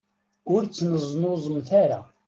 Ur ttneẓnuẓemt ara.